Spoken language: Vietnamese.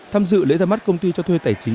tham dự lễ ra mắt công ty cho thuê tài chính